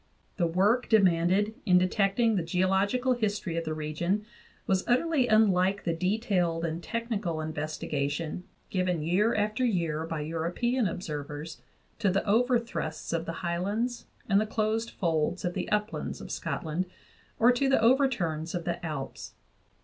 The work demanded in detecting the geological history of the region was utterly unlike the detailed and technical investigation given year after year by European observers to the overthrusts of the highlands and the closed folds of the uplands of Scotland or to the overturns of the Alps.